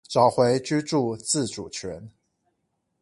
找回居住自主權